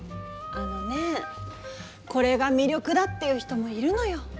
あのねこれが魅力だって言う人もいるのよ。